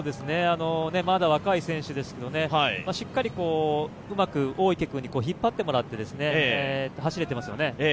まだ若い選手ですけど、しっかりうまく大池君に引っ張ってもらって走れていますよね。